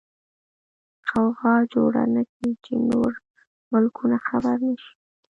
غوغا جوړه نکې چې نور ملکونه خبر نشي.